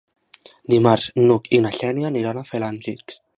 Dimarts n'Hug i na Xènia aniran a Felanitx.